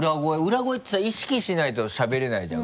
裏声ってさ意識しないとしゃべれないじゃん